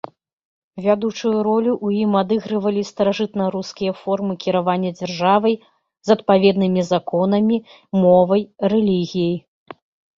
Вядучую ролю ў ім адыгрывалі старажытнарускія формы кіравання дзяржавай з адпаведнымі законамі, мовай, рэлігіяй.